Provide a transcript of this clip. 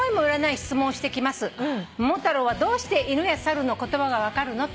「『桃太郎はどうして犬や猿の言葉が分かるの？』」